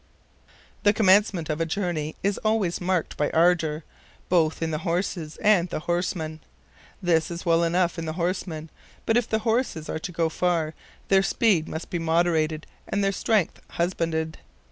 The commencement of a journey is always marked by ardor, both in the horses and the horsemen. This is well enough in the horsemen, but if the horses are to go far, their speed must be moderated and their strength husbanded.